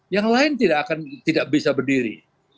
yang lain tidak bisa berdiri